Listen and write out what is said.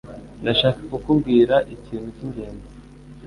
Ndashaka kukubwira ikintu cyingenzi.